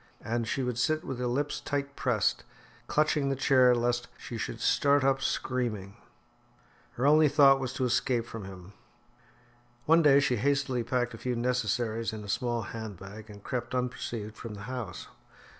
And she would sit with her lips tight pressed, clutching the chair lest she should start up screaming. Her only thought was to escape from him. One day she hastily packed a few necessaries in a small hand bag and crept unperceived from the house.